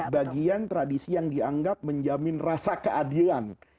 bagian tradisi yang dianggap menjamin rasa keadilan